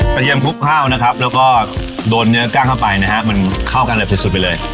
กะเทียมคลุกข้าวนะครับและก็โดนเนื้อกลั้งเข้าไปนะฮะมันเข้ากันเร็วที่สุดไปเลย